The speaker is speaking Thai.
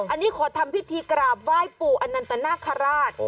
อันนี้ขอทำพิธีกราบไหว้ปู่อันนั้นแต่น่าขราด